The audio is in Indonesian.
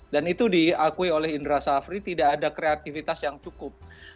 dan itu diakui oleh indra safri tidak ada kreativitas yang cukup